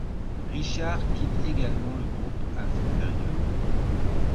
Richards quitte également le groupe à cette période.